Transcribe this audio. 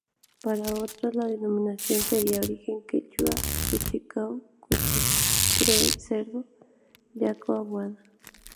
Para otros la denominación sería origen quechua: Cuchi Yaco: cuchi, "cerdo": yaco, "aguada".